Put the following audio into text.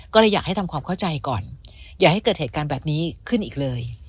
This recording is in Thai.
ก็เลยอยากให้ทำความเข้าใจก่อนอย่าให้เกิดเหตุการณ์แบบนี้ขึ้นอีกเลย